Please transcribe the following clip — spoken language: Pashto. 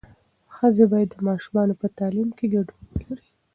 ښځې باید د ماشومانو په تعلیم کې ګډون ولري.